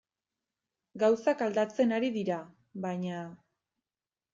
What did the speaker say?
Gauzak aldatzen ari dira, baina...